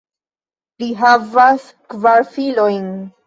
Li havas kvar filojn.